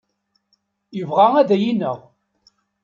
Yebɣa ad iyi-ineɣ.